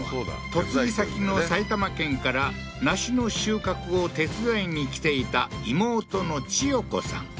嫁ぎ先の埼玉県から梨の収穫を手伝いにきていた妹の千代子さん